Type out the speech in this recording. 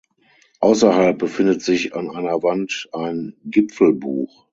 Ausserhalb befindet sich an einer Wand ein Gipfelbuch.